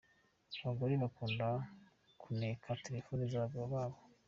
Abagore bakunda kuneka telefoni z’abagabo babo